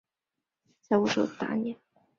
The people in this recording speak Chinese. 进来玩一下吧